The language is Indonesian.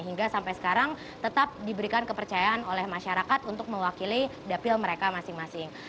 hingga sampai sekarang tetap diberikan kepercayaan oleh masyarakat untuk mewakili dapil mereka masing masing